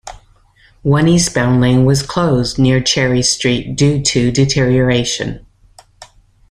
One eastbound lane was closed near Cherry Street due to deterioration.